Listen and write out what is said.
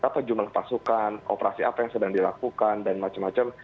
kita bertanya soal berapa jumlah pasukan operasi apa yang sedang dilakukan dan macam macam